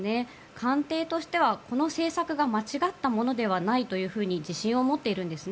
官邸としては、この政策が間違ったものではないと自信を持っているんですね。